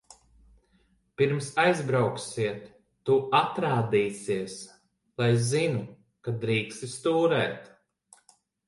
Pirms aizbrauksiet, tu atrādīsies, lai zinu, ka drīksti stūrēt.